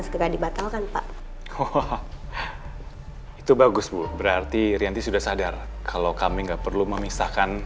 segera dibatalkan pak itu bagus bu berarti rianti sudah sadar kalau kami nggak perlu memisahkan